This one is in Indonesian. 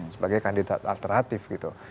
sebagai kandidat alternatif gitu